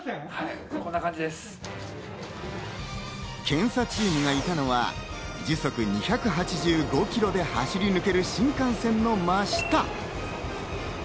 検査チームがいたのは、時速２８５キロで走り抜ける新幹線の真下。